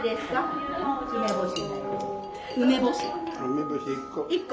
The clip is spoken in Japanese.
梅干し１個。